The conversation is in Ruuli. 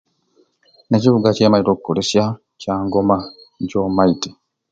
Ekivuga kyemaite okolesya kya ngoma nikyo mmaite